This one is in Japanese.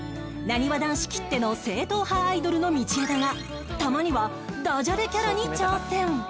なにわ男子きっての正統派アイドルの道枝がたまにわダジャレキャラに挑戦！